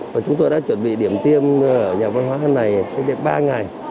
và chúng tôi đã chuẩn bị điểm tiêm ở nhà văn hóa này ba ngày